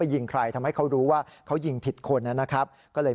ยิงใครทำให้เขารู้ว่าเขายิงผิดคนนะครับก็เลย